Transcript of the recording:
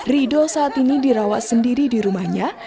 rido saat ini dirawat sendiri di rumahnya